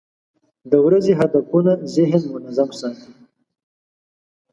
د ورځې هدفونه ذهن منظم ساتي.